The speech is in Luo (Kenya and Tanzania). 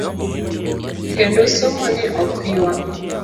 Kendo somo ni ok ywa .